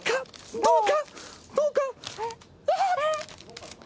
どうか？